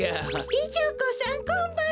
美女子さんこんばんは。